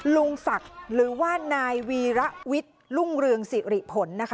ลุงศักดิ์หรือว่านายวีระวิทย์รุ่งเรืองสิริผลนะคะ